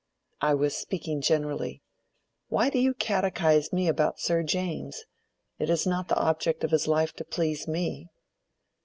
"I was speaking generally. Why do you catechise me about Sir James? It is not the object of his life to please me."